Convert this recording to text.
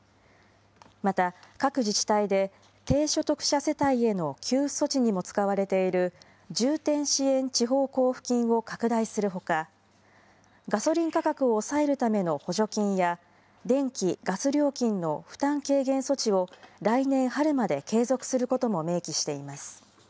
また、各自治体で、低所得者世帯への給付措置にも使われている、重点支援地方交付金を拡大するほか、ガソリン価格を抑えるための補助金や、電気・ガス料金の負担軽減措置を、来年春まで継続することも明記しています。